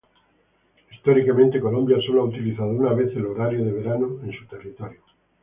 Históricamente, Colombia sólo ha utilizado una vez horario de verano en su territorio.